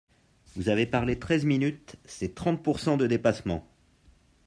Vous avez parlé treize minutes, c’est trente pourcent de dépassement